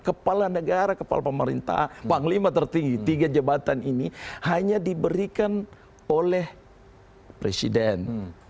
kepala negara kepala pemerintah bang lima tertinggi tiga jebatan ini hanya diberikan oleh presiden